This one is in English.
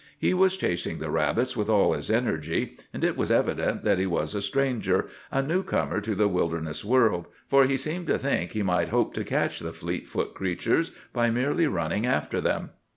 He was chasing the rabbits with all his energy; and it was evident that he was a stranger, a new comer to the wilderness world, for he seemed to think he might hope to catch the fleet foot creatures by merely running after them.